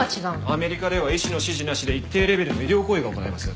アメリカでは医師の指示なしで一定レベルの医療行為が行えます。